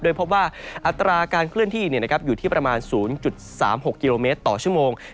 โดยพบว่าอัตราการเคลื่อนที่อยู่ที่ประมาณ๐๓๖กิโลเมตรต่อชั่วโมง